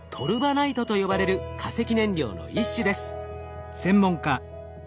ナイトと呼ばれる化石燃料の一種です。